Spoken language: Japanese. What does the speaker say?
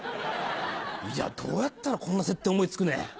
いやどうやったらこんな設定思い付くねん。